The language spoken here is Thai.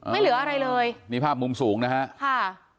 ไม่เหลืออะไรเลยนี่ภาพมุมสูงนะฮะค่ะ